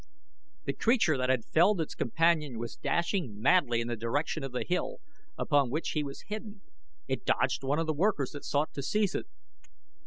The creature that had felled its companion was dashing madly in the direction of the hill upon which he was hidden, it dodged one of the workers that sought to seize it.